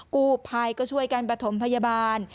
กู้ภัยก็ช่วยกันประถมพยาบาล